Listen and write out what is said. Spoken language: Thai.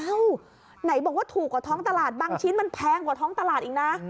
ไหนบอกว่าถูกกว่าท้องตลาดบางชิ้นมันแพงกว่าท้องตลาดอีกนะ